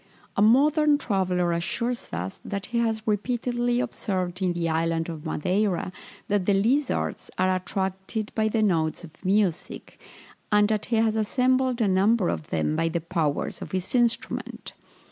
A modern traveller assures us, that he has repeatedly observed in the island of Madeira, that the lizards are attracted by the notes of music, and that he has assembled a number of them by the powers of his instrument.